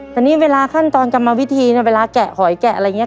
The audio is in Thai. แต่นี่เวลาขั้นตอนกรรมวิธีนะเวลาแกะหอยแกะอะไรอย่างนี้